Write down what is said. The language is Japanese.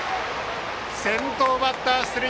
先頭バッター出塁。